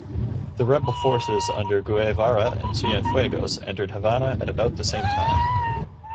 The rebel forces under Guevara and Cienfuegos entered Havana at about the same time.